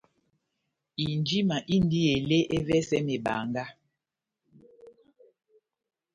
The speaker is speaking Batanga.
Injima indi ele ́evɛsɛ mebanga.